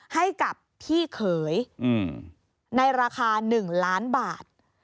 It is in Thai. ให้กับพี่เขยในราคา๑ล้านบาท